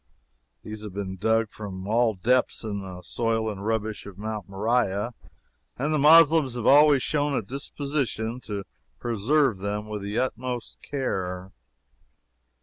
These have been dug from all depths in the soil and rubbish of Mount Moriah, and the Moslems have always shown a disposition to preserve them with the utmost care.